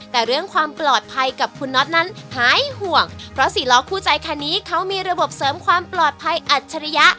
แต่เรื่องความปลอดภัยกับคุณน็อตนั้นหายห่วงเพราะสี่ล้อคู่ใจคันนี้เขามีระบบเสริมความปลอดภัยอัจฉริยะ